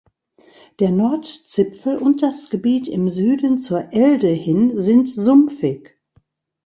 Der Nordzipfel und das Gebiet im Süden zur Elde hin sind sumpfig.